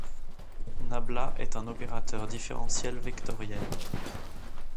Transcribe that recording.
Nabla est un opérateur différentiel vectoriel.